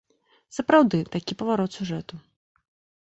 Сапраўды, такі паварот сюжэту.